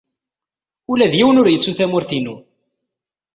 Ula d yiwen ur yettu tamurt-inu.